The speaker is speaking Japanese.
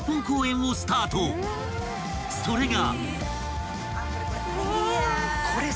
［それが］